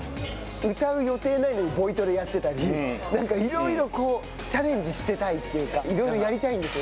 歌う予定はないのにボイトレやっていたりなんかいろいろチャレンジしてたいというか、いろいろやりたいんですよ。